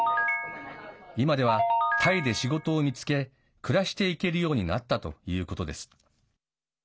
今ではタイで仕事を見つけ暮らしていけるようになったということです。